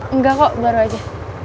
engga kok baru aja